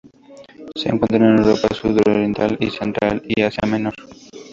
Se encuentran en Europa sudoriental y central y Asia Menor.